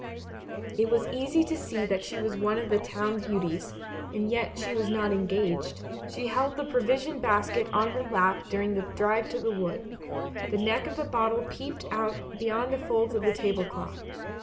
It was easy to see that she was one of the town beauties, and yet she was not engaged. She held the provision basket on her lap during the drive to the wood. The neck of the bottle peeped out beyond the folds of the table cloth.